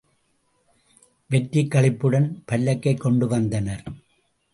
வெற்றிக் களிப்புடன் பல்லக்கைக் கொண்டு வந்தனர்.